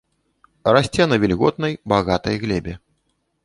Расце на вільготнай, багатай глебе.